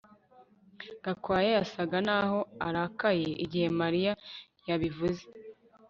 Gakwaya yasaga naho arakaye igihe Mariya yabivuze